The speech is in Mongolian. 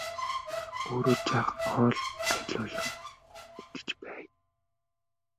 Өөрөө жаахан хоол аялуулан идэж байя!